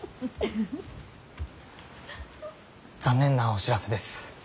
残念なお知らせです。